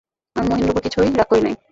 আমি মহিনের উপর কিছুই রাগ করি নাই।